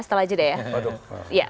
setelah aja deh ya